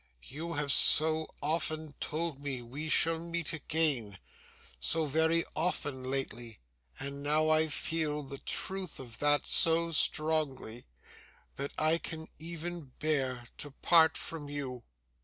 You have so often told me we shall meet again so very often lately, and now I feel the truth of that so strongly that I can even bear to part from you.